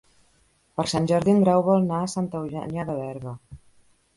Per Sant Jordi en Grau vol anar a Santa Eugènia de Berga.